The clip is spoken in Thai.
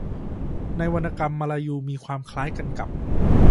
ในวรรณกรรมมลายูมีความคล้ายกันกับ